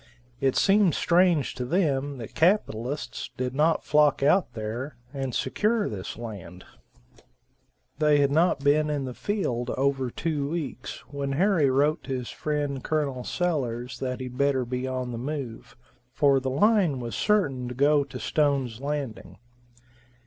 It seemed strange to them that capitalists did not flock out there and secure this land. They had not been in the field over two weeks when Harry wrote to his friend Col. Sellers that he'd better be on the move, for the line was certain to go to Stone's Landing.